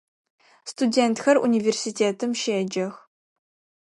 Студентхэр университетым щеджэх.